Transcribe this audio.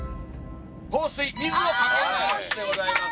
放水水を掛けるでございます。